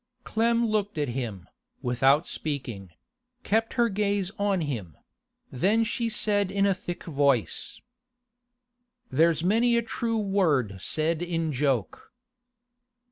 Clem looked at him, without speaking; kept her gaze on him; then she said in a thick voice: 'There's many a true word said in joke.